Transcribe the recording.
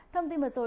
thông tin mật rồi